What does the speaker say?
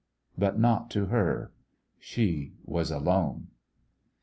But not to her. She was alone.